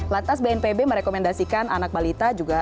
lantas bnpb merekomendasikan anak balita juga